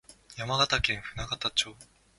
山形県舟形町